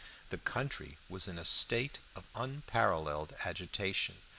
The country was in a state of unparalleled agitation.